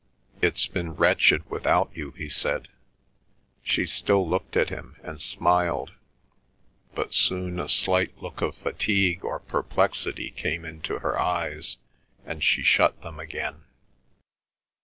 "It's been wretched without you," he said. She still looked at him and smiled, but soon a slight look of fatigue or perplexity came into her eyes and she shut them again.